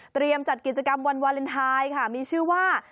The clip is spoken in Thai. จัดกิจกรรมวันวาเลนไทยค่ะมีชื่อว่า